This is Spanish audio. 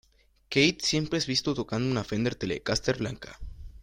Keith siempre es visto tocando una Fender Telecaster blanca.